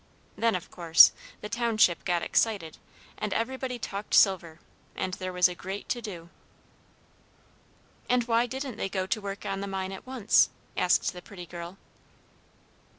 Then, of course, the township got excited, and everybody talked silver, and there was a great to do." "And why didn't they go to work on the mine at once?" asked the pretty girl.